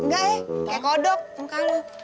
gak ya kayak kodok enggak lah